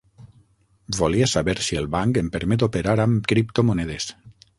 Volia saber si el banc em permet operar amb criptomonedes.